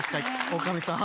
女将さん。